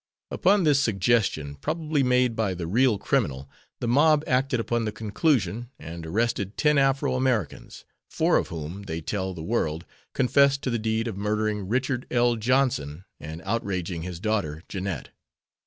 Upon this "suggestion" probably made by the real criminal, the mob acted upon the "conclusion" and arrested ten Afro Americans, four of whom, they tell the world, confessed to the deed of murdering Richard L. Johnson and outraging his daughter, Jeanette.